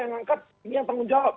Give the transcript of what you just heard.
yang ngangkat ini yang tanggung jawab